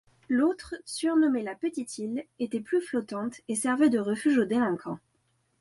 L’autre surnommée la Petite Île était plus flottante et servait de refuge aux délinquants.